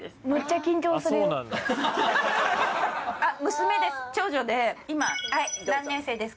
娘です